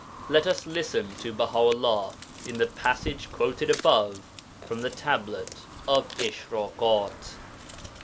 Let us listen to Baha 'ullah in the passage quoted above from the Tablet of Ishrakat.